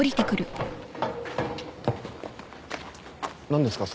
何ですか？